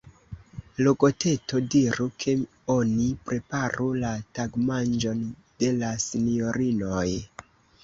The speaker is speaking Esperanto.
Logoteto, diru, ke oni preparu la tagmanĝon de la sinjorinoj.